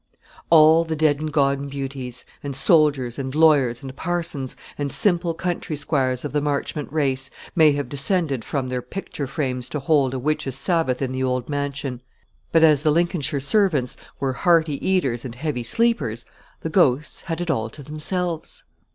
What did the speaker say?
All the dead and gone beauties, and soldiers, and lawyers, and parsons, and simple country squires of the Marchmont race may have descended from their picture frames to hold a witches' sabbath in the old mansion; but as the Lincolnshire servants were hearty eaters and heavy sleepers, the ghosts had it all to themselves.